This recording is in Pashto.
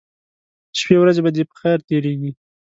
شپې ورځې به دې په خیر تیریږي